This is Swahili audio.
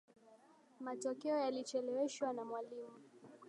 Matokeo yalicheleweshwa na mwalimu.